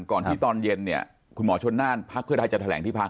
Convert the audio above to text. ก่อนที่ตอนเย็นเนี่ยคุณหมอชนน่านพักเพื่อไทยจะแถลงที่พัก